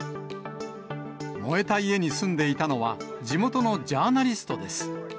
燃えた家に住んでいたのは、地元のジャーナリストです。